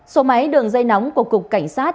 số máy đường dây nóng của cục cảnh sát